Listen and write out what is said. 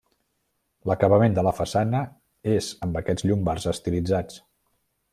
L'acabament de la façana és amb arquets llombards estilitzats.